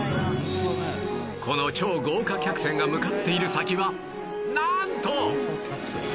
この超豪華客船が向かっている先はなんと